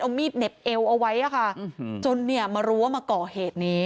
เอามีดเหน็บเอวเอาไว้ค่ะจนเนี่ยมารู้ว่ามาก่อเหตุนี้